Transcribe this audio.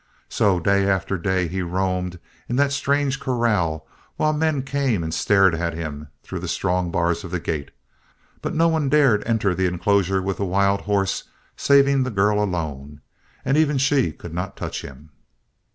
So day after day he roamed in that strange corral while men came and stared at him through the strong bars of the gate, but no one dared enter the enclosure with the wild horse saving the girl alone, and even she could not touch him.